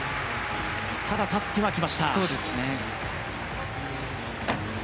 ただ立ってはきました。